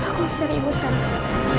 aku datang untuk cari ibu sekarang